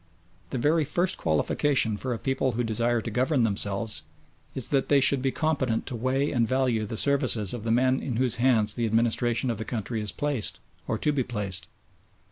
The very first qualification for a people who desire to govern themselves is that they should be competent to weigh and value the services of the men in whose hands the administration of the country is placed or to be placed.